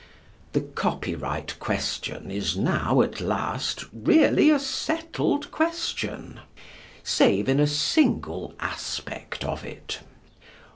The copyright question is now at last really a settled question, save in a single aspect of it.